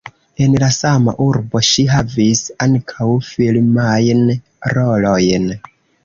En la sama urbo ŝi havis ankaŭ filmajn rolojn.